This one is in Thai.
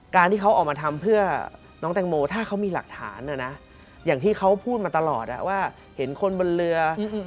การที่เขาออกมาทำเพื่อ